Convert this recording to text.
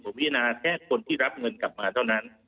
ผมพิจารณาแค่คนที่รับเงินกลับมาเท่านั้น